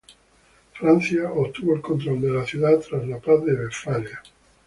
Francia obtuvo el control de la ciudad tras la Paz de Westfalia.